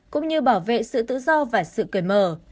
cũng như bảo vệ sự tự do và sự cười mở